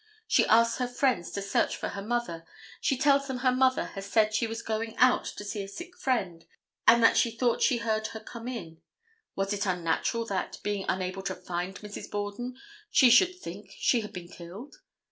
She asks her friends to search for her mother. She tells them her mother had said that she was going out to see a sick friend and that she thought she had heard her come in. Was it unnatural that, being unable to find Mrs. Borden, she should think she had been killed.